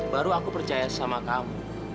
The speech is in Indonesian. baru aku percaya sama kamu